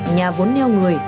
nhà vốn neo người